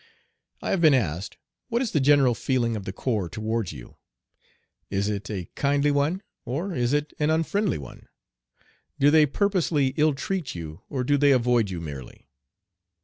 I have been asked, "What is the general feeling of the corps towards you? Is it a kindly one, or is it an unfriendly one. Do they purposely ill treat you or do they avoid you merely?"